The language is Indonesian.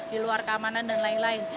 di luar keamanan dan lain lain